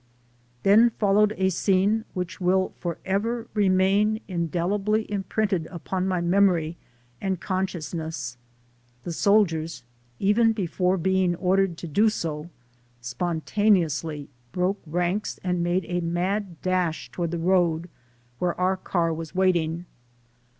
Then followed a scene which will for ever remain indelibly imprinted upon my memory and consciousness. The soldiers, even before being ordered to do so, spontaneously broke ranks and made a mad dash toward the road, where our car was waiting.